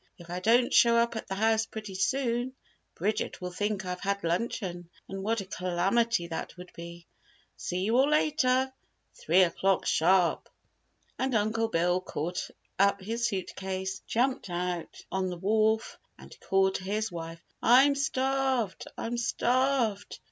If I don't show up at the house pretty soon, Bridget will think I've had luncheon, and what a calamity that would be! See you all later three o'clock sharp!" And Uncle Bill caught up his suitcase, jumped out on the wharf, and called to his wife: "I'm starved! I'm starved!